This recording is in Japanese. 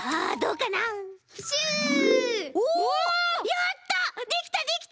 やった！